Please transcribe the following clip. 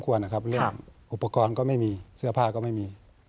ห้องจะกระทบพอซมควรนะครับเรื่องอุปกรณ์ก็ไม่มีเสื้อผ้าก็ไม่มี